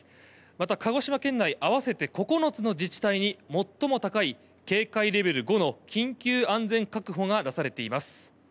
また、鹿児島県内合わせて９つの自治体に最も高い警戒レベル５の緊急安全確保が出されています。